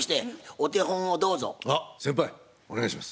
お願いします。